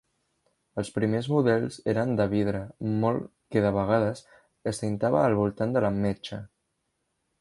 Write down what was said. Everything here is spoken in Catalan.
Els primers models eren de vidre molt que de vegades es tintava al voltant de la metxa.